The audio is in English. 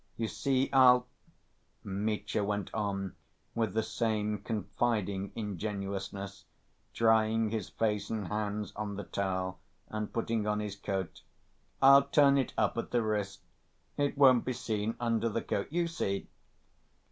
You see I'll ..." Mitya went on with the same confiding ingenuousness, drying his face and hands on the towel, and putting on his coat. "I'll turn it up at the wrist. It won't be seen under the coat.... You see!"